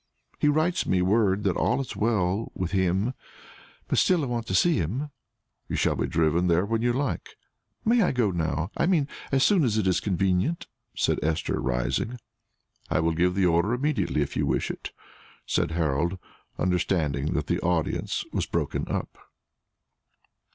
He writes me word that all is well with him, but still I want to see him." "You shall be driven there when you like." "May I go now I mean as soon as it is convenient?" said Esther, rising. "I will give the order immediately, if you wish it," said Harold, understanding that the audience was broken up.